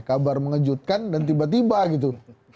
kabar mengejutkan dan tiba tiba gitu